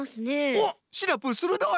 おっシナプーするどい！